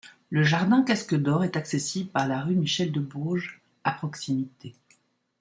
Le jardin Casque d'Or est accessible par la rue Michel-de-Bourges à proximité.